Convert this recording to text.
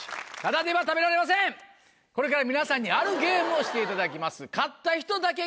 これから皆さんにあるゲームをしていただきます。